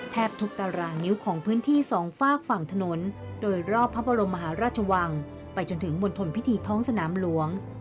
ทุกตารางนิ้วของพื้นที่สองฝากฝั่งถนนโดยรอบพระบรมมหาราชวังไปจนถึงมณฑลพิธีท้องสนามหลวง